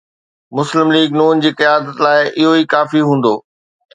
مسلم League ن جي قيادت لاءِ اهو ئي ڪافي هوندو.